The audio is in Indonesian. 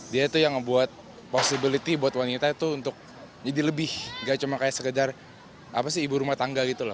dia itu yang membuat posibilitas untuk wanita untuk jadi lebih tidak cuma seperti ibu rumah tangga gitu loh